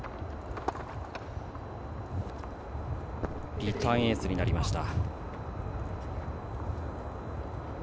リターンエースになりました。